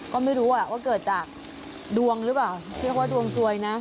ก็ไม่รู้ว่าเกิดจากดวงหรือเปล่าเรียกว่าดวงสวยนะ